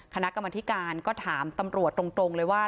คณะกรรมนิษฎร์ก็ถามตรงเลยว่า